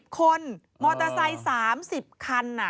คนมอเตอร์ไซค์๓๐คัน